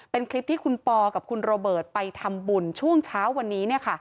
เป็นคลิปที่คุณปอกับคุณโรเบิร์ตไปทำบุญช่วงเช้าวันนี้